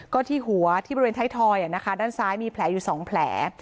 ก็ที่หัวที่บริเวณไทยทอยด้านซ้ายมีแผลอยู่๒แผล